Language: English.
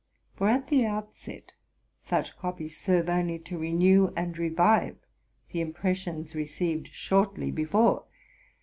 For at the outset such copies serve only to renew and revive the impressions received shortly before.